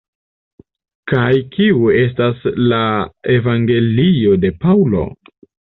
Kaj kiu estas la evangelio de Paŭlo?